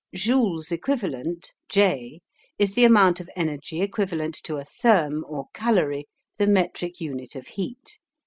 Joule's Equivalent J. is the amount of energy equivalent to a therm or calorie, the metric unit of heat.